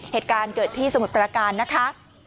เหตุการณ์เกิดที่สมุทรประการนะคะ